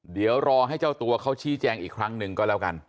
เดี๋ยวรอให้เจ้าตัวเขาชี้แจงอีกครั้งหนึ่งก็แล้วกัน